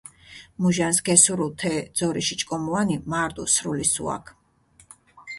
მუჟანს გესურუ თე ძორიში ჭკომუანი, მარდუ სრული სუაქ.